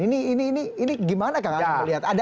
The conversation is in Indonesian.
ini gimana kak ahok melihat